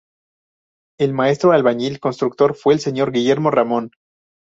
El maestro albañil constructor fue el Señor Guillermo Ramón.